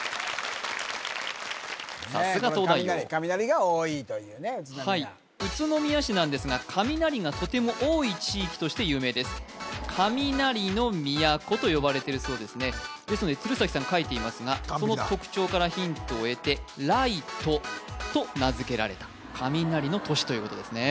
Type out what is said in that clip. さすが東大王雷が多いというね宇都宮宇都宮市なんですが雷がとても多い地域として有名です「雷の都」と呼ばれてるそうですねですので鶴崎さん書いていますがその特徴からヒントを得て「雷都」と名付けられた雷の都市ということですね